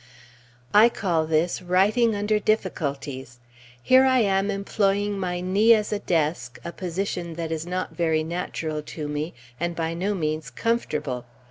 I call this writing under difficulties! Here I am employing my knee as a desk, a position that is not very natural to me, and by no means comfortable.